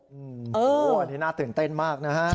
หวัดนี่น่าตื่นเต้นมากนะครับ